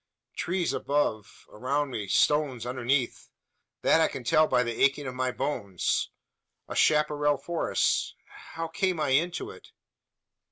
"Trees above around me! Stones underneath! That I can tell by the aching of my bones. A chapparal forest! How came I into it?